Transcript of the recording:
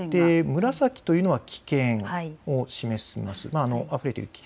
紫というのは危険を示します。